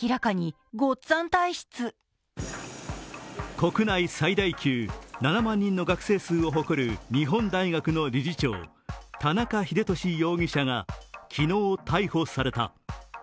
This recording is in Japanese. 国内最大級、７万人の学生数を誇る日本大学の理事長、田中英寿容疑者が昨日、逮捕された。